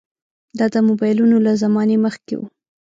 دا د موبایلونو له زمانې مخکې وو.